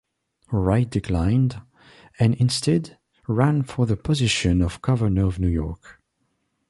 Wright declined, and instead ran for the position of Governor of New York.